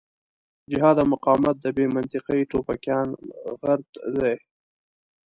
جهاد او مقاومت د بې منطقې ټوپکيان غرت دی.